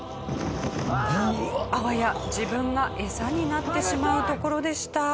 あわや自分が餌になってしまうところでした。